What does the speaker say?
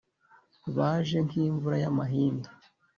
Baje nk’imvura y’amahindu